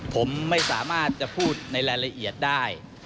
ผมไม่สามารถจะพูดในรายละเอียดได้